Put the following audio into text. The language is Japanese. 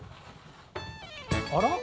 あら？